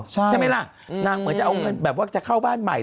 ใช่ไหมล่ะนางเหมือนจะเอาเงินแบบว่าจะเข้าบ้านใหม่